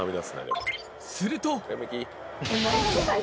すると。